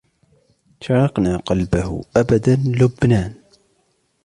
شرقنا قلبه أبداً لبنان